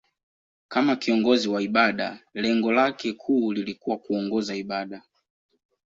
Kama kiongozi wa ibada, lengo lake kuu lilikuwa kuongoza ibada.